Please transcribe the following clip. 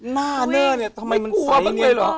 หน้าเนื้อเนี่ยทำไมมันใสเงียบ